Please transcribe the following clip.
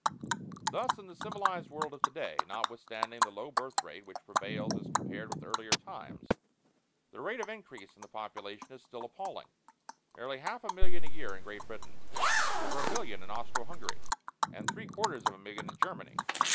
Thus in the civilized world of today, notwithstanding the low birth rate which prevails as compared with earlier times, the rate of increase in the population is still appalling nearly half a million a year in Great Britain, over a million in Austro Hungary, and three quarters of a million in Germany.